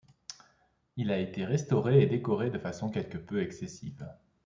Il a été restauré et décoré de façon quelque peu excessive.